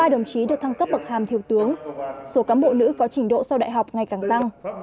một mươi đồng chí được thăng cấp bậc hàm thiếu tướng số cán bộ nữ có trình độ sau đại học ngày càng tăng